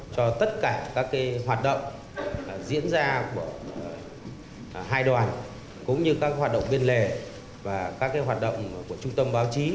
cho tất cả các hoạt động diễn ra của hai đoàn